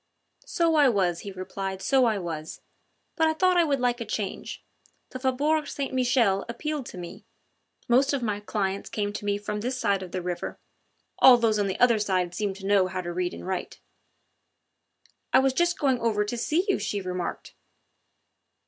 "So I was," he replied, "so I was. But I thought I would like a change. The Faubourg St. Michel appealed to me; most of my clients came to me from this side of the river all those on the other side seem to know how to read and write." "I was just going over to see you," she remarked.